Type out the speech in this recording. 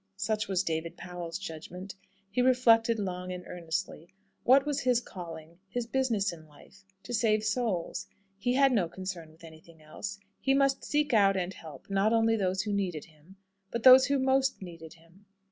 Such was David Powell's judgment. He reflected long and earnestly. What was his calling his business in life? To save souls. He had no concern with anything else. He must seek out and help, not only those who needed him, but those who most needed him.